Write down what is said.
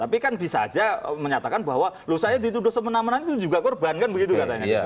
tapi kan bisa saja menyatakan bahwa loh saya dituduh semena mena itu juga korban kan begitu katanya